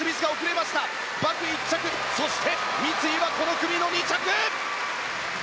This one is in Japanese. バクが１着そして三井はこの組の２着！